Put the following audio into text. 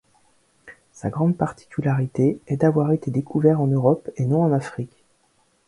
Sa grande particularité est d'avoir été découvert en Europe et non en Afrique.